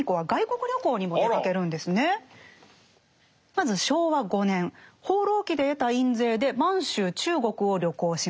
まず昭和５年「放浪記」で得た印税で満州・中国を旅行します。